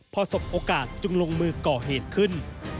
พอสบโอกาสจึงลงมือก่อเหตุขึ้น